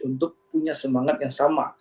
untuk punya semangat yang sama